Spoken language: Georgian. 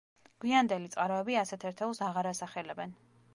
გვაინდელი წყაროები ასეთ ერთეულს აღარ ასახელებენ.